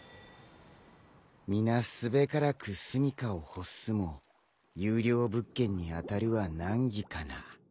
皆すべからくすみかを欲すも優良物件にあたるは難儀かな。